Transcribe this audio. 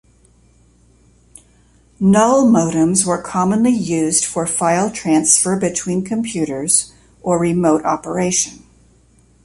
Null modems were commonly used for file transfer between computers, or remote operation.